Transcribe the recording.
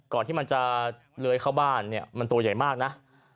ที่มันจะเลื้อยเข้าบ้านเนี่ยมันตัวใหญ่มากนะ